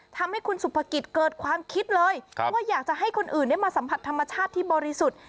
ทำให้คุณสุภกิจเกิดความคิดเลยว่าอยากจะให้คนอื่นได้มาสัมผัสธรรมชาติที่บริสุทธิ์